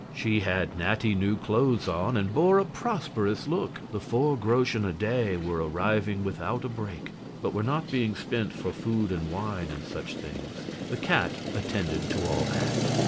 She had natty new clothes on and bore a prosperous look. The four groschen a day were arriving without a break, but were not being spent for food and wine and such things the cat attended to all that.